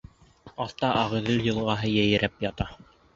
Аҫта Ағиҙел йылғаһы йәйрәп ята.